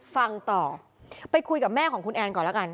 ฟังต่อไปคุยกับแม่ของคุณแอนก่อนแล้วกัน